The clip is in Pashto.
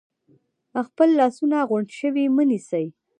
خپل لاسونه غونډ شوي مه نیسئ،